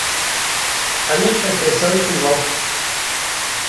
Annette restait seule souvent.